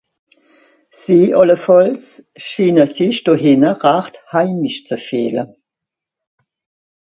Sie àllefàlls schiine sich do hìnne rächt heimisch ze fìehle.